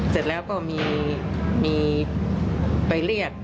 เสร็จแล้วก็มีไปเรียก